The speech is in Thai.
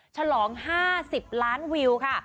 ฉลอง๕๐ล้านวิวค่ะ